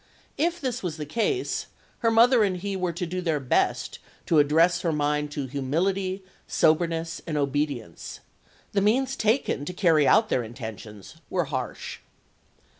If this was the case, her mother and he were to do their best to "address her mind to humility, soberness, and obedience." The means taken to carry out their intentions were harsh.